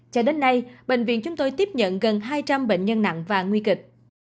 cho đến nay bệnh viện chúng tôi tiếp nhận gần hai trăm linh bệnh nhân nặng và nguy kịch